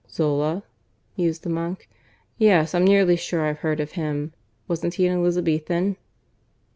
"Zola?" mused the monk. "Yes, I'm nearly sure I've heard of him. Wasn't he an Elizabethan?"